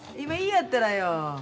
今言いやったらよ。